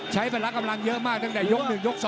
ใช้ภาระกำลังเยอะมากตั้งแต่ยก๑ยก๒แล้ว